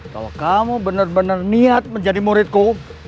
kalau kamu benar benar niat menjadi muridku